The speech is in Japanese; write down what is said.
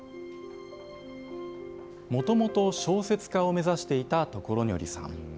もともと小説家を目指していたところにょりさん。